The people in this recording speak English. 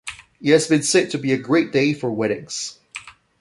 It has been said to be a "great day for weddings".